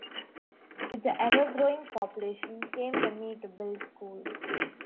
With the ever-growing population came the need to build schools.